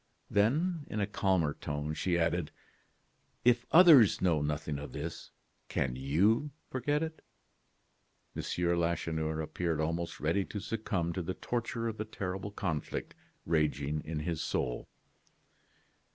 Then, in a calmer tone, she added: "If others know nothing of this, can you forget it?" M. Lacheneur appeared almost ready to succumb to the torture of the terrible conflict raging in his soul.